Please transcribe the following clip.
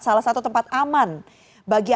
salah satu tempat aman bagi